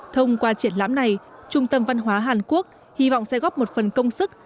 thông qua triển lãm này trung tâm văn hóa hàn quốc hy vọng sẽ góp một phần công sức